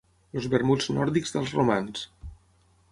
Els vermuts nòrdics dels romans.